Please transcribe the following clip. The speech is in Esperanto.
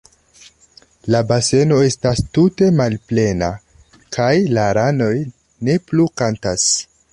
La baseno estas tute malplena, kaj la ranoj ne plu kantas.